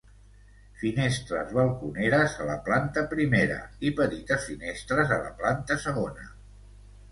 Finestres balconeres a la planta primera i petites finestres a la planta segona.